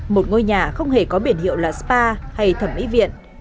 một ngôi nhà không hề có biển hiệu là spa hay thẩm mỹ viện